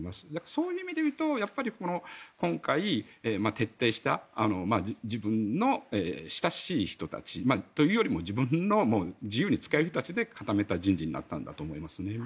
そういう意味で言うとやっぱり今回、徹底した自分の親しい人たちというより自分の自由に使える人たちで固めた人事だと思うんです。